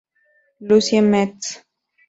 Lucie Mets.